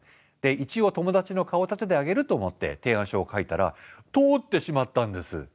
一応友達の顔を立ててあげると思って提案書を書いたら通ってしまったんです。